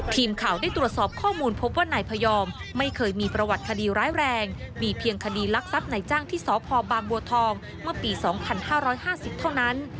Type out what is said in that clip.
ทีมข่าวได้ตรวจสอบข้อมูลพบว่านายพยอมไม่เคยมีประวัติคดีร้ายแรงมีเพียงคดีลักทรัพย์ในจ้างที่สพบางบัวทองเมื่อปี๒๕๕๐เท่านั้น